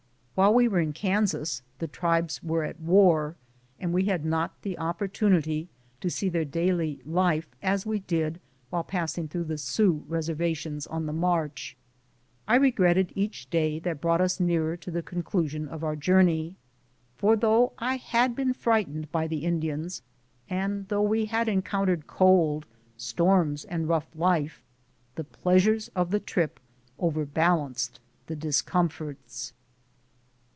While we were in Kansas the tribes were at war, and we had not the opportunity to see their daily life as we did while passing through the Sioux reservations on the march. I regretted each day that brought us nearer to the conclusion of our journey, for though I had been fright ened by Indians, and though we had encountered cold, storms, and rough life, the pleasures of the trip over balanced the discomforts.